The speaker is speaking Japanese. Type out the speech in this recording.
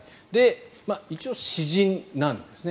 一応、私人なんですね